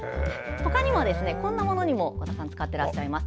他にもこんなものにも尾田さんは使っていらっしゃいます。